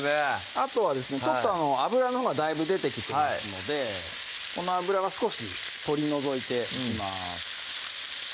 あとはですねちょっと脂のほうがだいぶ出てきてますのでこの脂は少し取り除いていきます